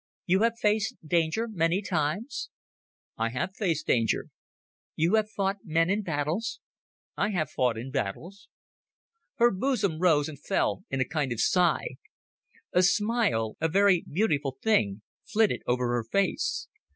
"You have faced danger many times?" "I have faced danger." "You have fought with men in battles?" "I have fought in battles." Her bosom rose and fell in a kind of sigh. A smile—a very beautiful thing—flitted over her face.